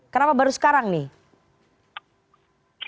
kenapa baru sekarang nih